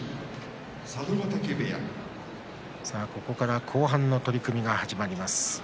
ここから後半の取組が始まります。